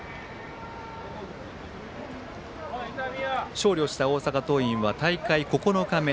勝利をした大阪桐蔭は大会９日目